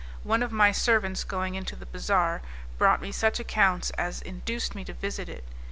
One of my servants going into the bazaar, brought me such accounts as induced me to visit it.